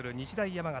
山形